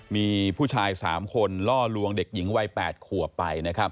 มีผู้ชาย๓คนลาดลวงเด็กหญิงวัยแปดขวบไป